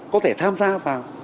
có thể tham gia vào